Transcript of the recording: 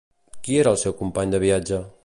Qui era el seu company de viatge?